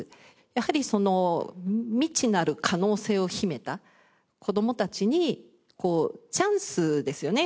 やはりその未知なる可能性を秘めた子どもたちにチャンスですよね